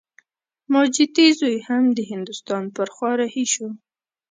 ماجتي زوی هم د هندوستان پر خوا رهي شو.